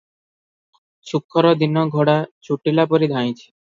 ସୁଖର ଦିନ ଘୋଡ଼ା ଛୁଟିଲା ପରି ଧାଇଁଛି ।